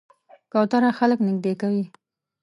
کوتره خلک نږدې کوي.